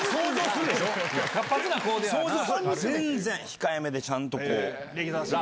控えめでちゃんとこう。